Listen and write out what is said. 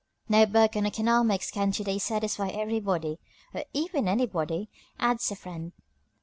No book on economics can to day satisfy everybody "Or even anybody," adds a friend.